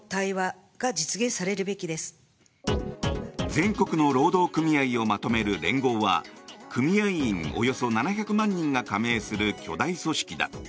全国の労働組合をまとめる連合は組合員およそ７００万人が加盟する巨大組織だ。